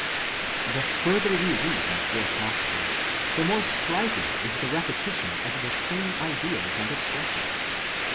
® The further we read in the fourth gospel, the more striking is the repetition of the same ideas and expressions.